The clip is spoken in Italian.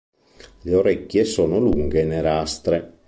Le orecchie sono lunghe e nerastre.